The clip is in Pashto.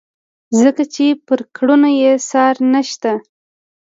ځکه چې پر کړنو یې څار نشته.